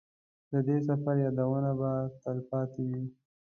د دې سفر یادونه به تلپاتې وي.